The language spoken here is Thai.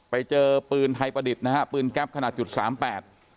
ไปเจอปืนไทยประดิษฐ์นะฮะปืนแก๊ปขนาดจุดสามแปด